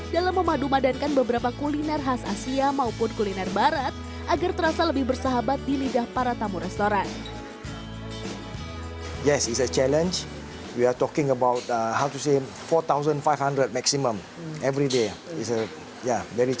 dalam memadumadankan beberapa kuliner khas asia maupun kuliner barat